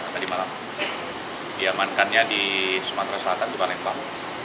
tadi malam diamankannya di sumatera selatan di palembang